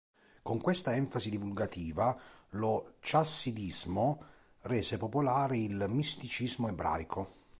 Con questa enfasi divulgativa, lo Chassidismo rese popolare il misticismo ebraico.